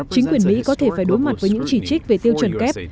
chính quyền mỹ có thể phải đối mặt với những chỉ trích về tiêu chuẩn kép